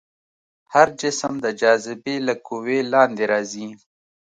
هر جسم د جاذبې له قوې لاندې راځي.